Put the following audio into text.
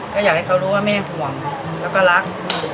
ก็อยากให้เขารู้ว่าแม่ห่วงแล้วก็รัก